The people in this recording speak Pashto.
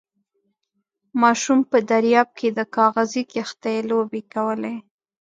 ماشوم په درياب کې د کاغذي کښتۍ لوبې کولې.